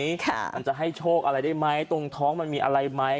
มันจะให้โชคอะไรได้ไหมตรงท้องมันมีอะไรไหม